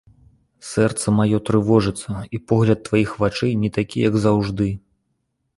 Сэрца маё трывожыцца, і погляд тваіх вачэй не такі, як заўжды.